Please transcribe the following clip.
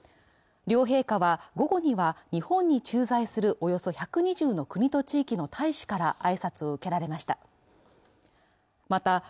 両陛下は午後には日本に駐在するおよそ１２０の国と地域の大使から挨拶を受けられました。